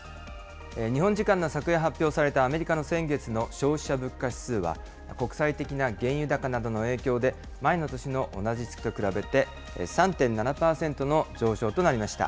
日本時間の昨夜発表されたアメリカの先月の消費者物価指数は、国際的な原油高などの影響で、前の年の同じ月と比べて３．７％の上昇となりました。